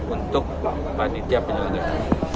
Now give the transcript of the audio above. untuk panitia penyelenggara